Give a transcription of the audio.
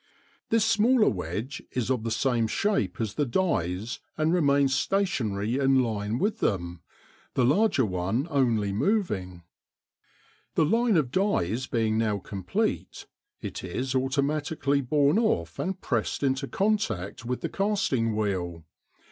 This smaller wedge is of the same shape as the dies and remains stationary in line with them, the larger one only moving. The line of dies being now complete, it is automatically borne off and pressed into contact with the casting wheel.